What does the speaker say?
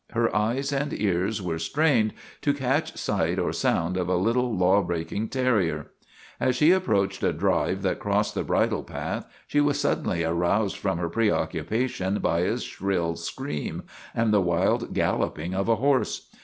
Her eyes and ears were strained to catch sight or sound of a little law breaking terrier. As she approached a drive that crossed the bridle path she was suddenly aroused from her preoccupa tion by a shrill scream and the wild galloping of a horse.